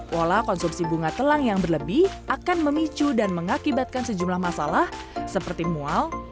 pola konsumsi bunga telang yang berlebih akan memicu dan mengakibatkan sejumlah masalah seperti mual